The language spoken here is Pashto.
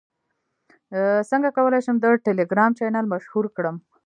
څنګه کولی شم د ټیلیګرام چینل مشهور کړم